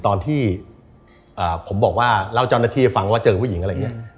ตอนที่ผมบอกว่าเล่าเจ้าหน้าที่ฟังว่าเจอผู้หญิงอะไรอย่างนี้